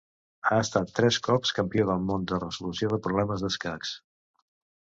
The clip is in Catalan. Ha estat tres cops campió del món de resolució de problemes d'escacs.